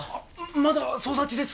まだ捜査中です。